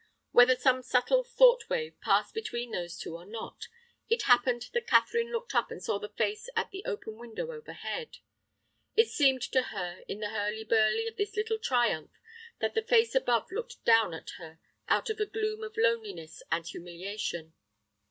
Whether some subtle thought wave passed between those two or not, it happened that Catherine looked up and saw the face at the open window overhead. It seemed to her in the hurly burly of this little triumph, that the face above looked down at her out of a gloom of loneliness and humiliation.